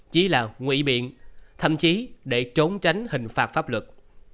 chỉ là ngụy biện thậm chí để trốn tránh hình phạt pháp luật